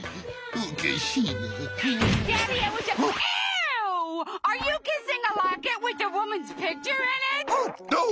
うん。